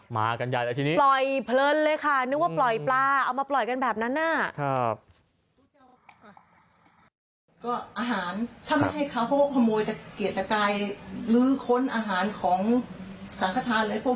ก็อาหารทำให้เขาผโมยจากเกลียดละกายคล้นอาหารของสาธารณะให้เดือดร้อนค่ะ